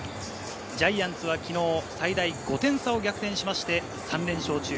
ジャイアンツは昨日最大５点差を逆転して３連勝中。